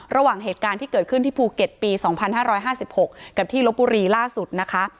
ระหว่างเหตุการณ์ที่เกิดขึ้นที่ภูเก็ตปีสองพันห้าร้อยห้าสิบหกกับที่ลบบุรีล่าสุดนะคะ